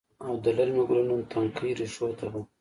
او د للمې ګلونو، تنکۍ ریښو ته به،